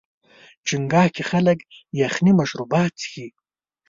چنګاښ کې خلک یخني مشروبات څښي.